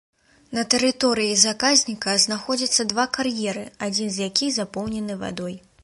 На тэрыторыі заказніка знаходзяцца два кар'еры, адзін з якіх запоўнены вадой.